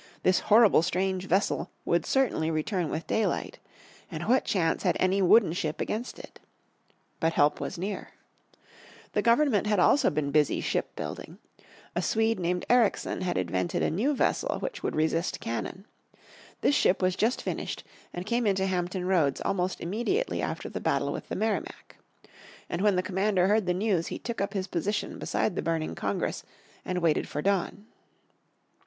This horrible strange vessel would certainly return with daylight. And what chance had any wooden ship against it? But help was near. The Government also had been busy ship building. A Swede named Ericsson had invented a new vessel which would resist cannon. This ship was just finished, and came into Hampton Roads almost immediately after the battle with the Merrimac. And when the Commander heard the news he took up his position beside the burning Congress, and waited for dawn.